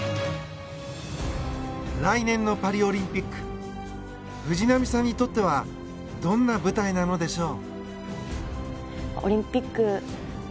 来年のパリオリンピック藤波さんにとってはどんな舞台なのでしょう。